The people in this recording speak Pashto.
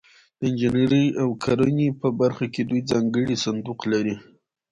د انجنیري او کرنې په برخه کې دوی ځانګړی صندوق لري.